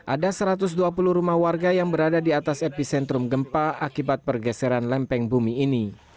ada satu ratus dua puluh rumah warga yang berada di atas epicentrum gempa akibat pergeseran lempeng bumi ini